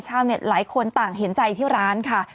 หลายคนต่างเห็นใจที่ร้านค่ะ